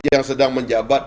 yang sedang menjabat